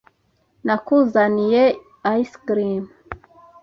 Nakuzaniye ice cream.